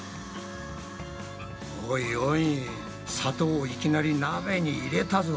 おいおい砂糖をいきなり鍋に入れたぞ。